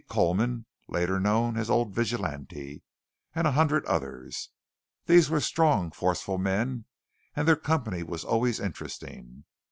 Coleman, later known as Old Vigilante, and a hundred others. These were strong, forceful men, and their company was always interesting.